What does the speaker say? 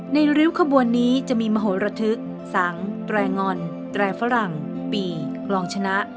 ริ้วขบวนนี้จะมีมโหระทึกสังแตรงอนแตรฝรั่งปีกลองชนะ